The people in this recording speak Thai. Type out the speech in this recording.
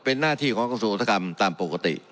เป็นหน้าที่ของกับสถานการณ์ตามปกติ